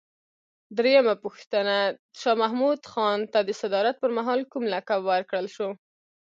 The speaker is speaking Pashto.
درېمه پوښتنه: شاه محمود خان ته د صدارت پر مهال کوم لقب ورکړل شو؟